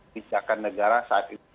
pijakan negara saat ini